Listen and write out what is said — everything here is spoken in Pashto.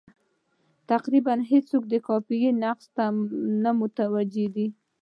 تقریبا هېڅوک د قافیې نقص ته متوجه نه دي.